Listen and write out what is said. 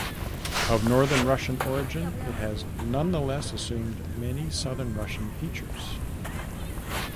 Of Northern Russian origin, it has nonetheless assumed many Southern Russian features.